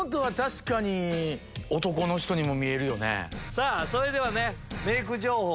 さぁそれではねメイク情報。